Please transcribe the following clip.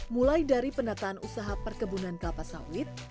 mulai dari penataan usaha perkebunan kelapa sawit